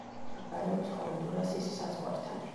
მდებარეობს ჰონდურასის საზღვართან.